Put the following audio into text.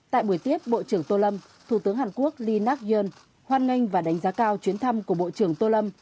tại buổi tiếp bộ trưởng tô lâm thủ tướng hàn quốc lee nak yoon hoan nghênh và đánh giá cao chuyến thăm của bộ trưởng tô lâm